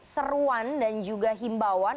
seruan dan juga himbauan